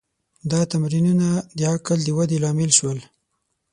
دا تمرینونه د عقل د ودې لامل شول.